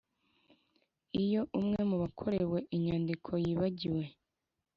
Iyo umwe mu bakorewe inyandiko yibagiwe